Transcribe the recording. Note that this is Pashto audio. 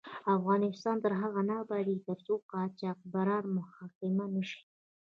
افغانستان تر هغو نه ابادیږي، ترڅو قاچاقبران محاکمه نشي.